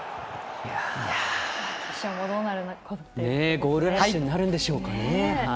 ゴールラッシュになるんでしょうかね。